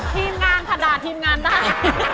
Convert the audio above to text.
ทีมงานค่ะด่าทีมงานได้